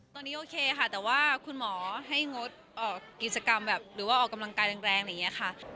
ตอนนี้โอเคค่ะแต่ว่าคุณหมอให้งดออกกิจกรรมแบบหรือว่าออกกำลังกายแรงอะไรอย่างนี้ค่ะ